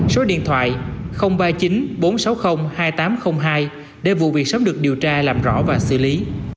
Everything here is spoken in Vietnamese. số điện thoại ba mươi chín bốn trăm sáu mươi hai nghìn tám trăm linh hai để vụ việc sớm được điều tra làm rõ và xử lý